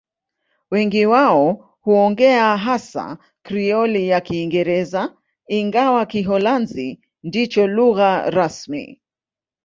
Wengi wao huongea hasa Krioli ya Kiingereza, ingawa Kiholanzi ndicho lugha rasmi.